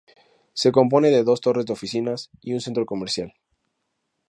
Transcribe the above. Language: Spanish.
Se compone de dos torres de oficinas y un centro comercial.